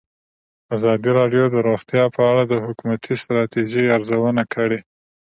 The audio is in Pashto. ازادي راډیو د روغتیا په اړه د حکومتي ستراتیژۍ ارزونه کړې.